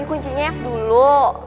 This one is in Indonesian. ini kuncinya f dulu